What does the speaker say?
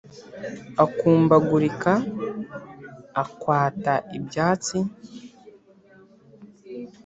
Akumbagurika akwata ibyatsi